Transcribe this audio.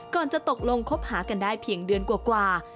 จะตกลงคบหากันได้เพียงเดือนกว่า